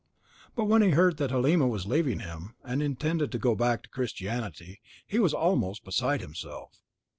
But when he heard that Halima was leaving him, and intended to go back to Christianity, he was almost beside himself.